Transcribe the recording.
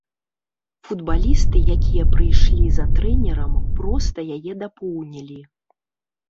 Футбалісты, якія прыйшлі за трэнерам, проста яе дапоўнілі.